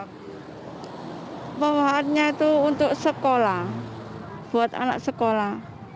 pembawaannya itu untuk sekolah buat anak sekolah